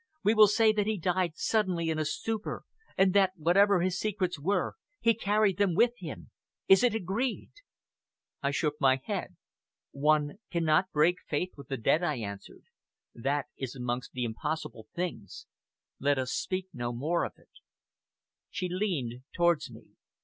We will say that he died suddenly in a stupor, and that, whatever his secrets were, he carried them with him. Is it agreed?" I shook my head. "One cannot break faith with the dead," I answered. "That is amongst the impossible things. Let us speak no more of it." She leaned towards me.